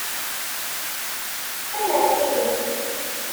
Qqim ar tili!